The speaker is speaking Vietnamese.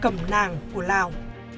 cầm nàng của lào